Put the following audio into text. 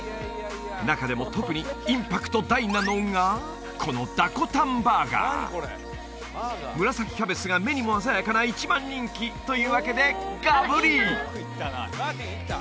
中でも特にインパクト大なのがこのダコタンバーガー紫キャベツが目にも鮮やかな１番人気！というわけでガブリ！